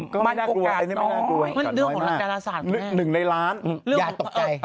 ก็ไม่น่ากลัวอันนี้ไม่น่ากลัวสามารถไม่มีแค่๑ในล้านอย่าตกใกล้